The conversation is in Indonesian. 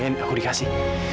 ya non itu gak penting lah